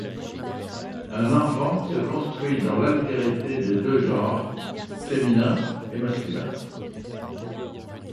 Un enfant se construit dans l'altérité des deux genres, féminin et masculin.